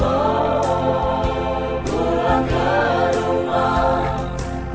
oh pulang ke rumah